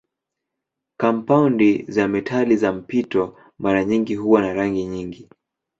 Kampaundi za metali za mpito mara nyingi huwa na rangi nyingi.